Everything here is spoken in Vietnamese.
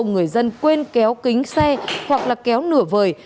người dân quên kéo kính xe hoặc là kéo nửa vời